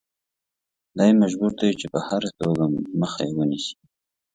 دی مجبور دی چې په هره توګه مخه یې ونیسي.